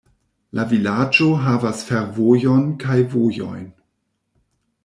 La vilaĝo havas fervojon kaj vojojn.